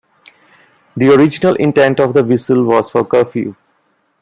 The original intent of the whistle was for curfew.